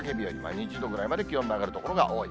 ２０度ぐらいまで気温の上がる所が多い。